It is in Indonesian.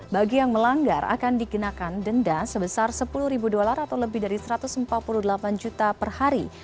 bagi yang melanggar akan dikenakan denda sebesar sepuluh ribu dolar atau lebih dari satu ratus empat puluh delapan juta per hari